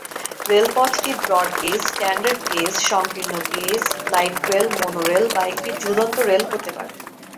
রেলপথটি broad gauge, standard gauge, সংকীর্ণ gauge, light rail, monorail, বা একটি ঝুলন্ত রেল হতে পারে।